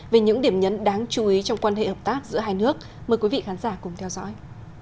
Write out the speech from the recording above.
về những điểm nhấn đáng chú ý trong quan hệ hợp tác giữa hai nước mời quý vị khán giả cùng theo dõi